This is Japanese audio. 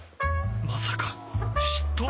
まさか嫉妬？